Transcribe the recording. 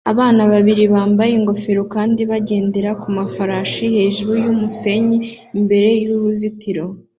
Abana babiri bambara ingofero kandi bagendera ku mafarasi hejuru y'umusenyi imbere y'uruzitiro